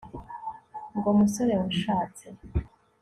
ngo musore wanshatse